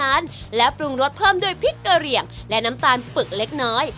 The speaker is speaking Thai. เท่านั้นและปรุงรสเพิ่มด้วยพริกเกรียงและน้ำตาลปึกเล็กน้อย